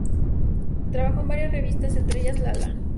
Trabajó en varias revistas, entre ellas, "LaLa".